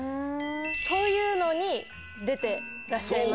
そういうのに出てらっしゃいますね。